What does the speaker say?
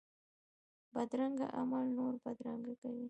بدرنګه عمل نور بدرنګه کوي